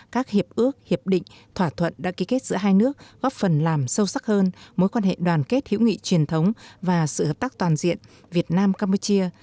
các hiệp ước hiệp định thỏa thuận đã ký kết giữa hai nước góp phần làm sâu sắc hơn mối quan hệ đoàn kết hữu nghị truyền thống và sự hợp tác toàn diện việt nam campuchia